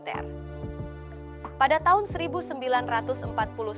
suharto juga berusaha untuk berkarir di dunia militer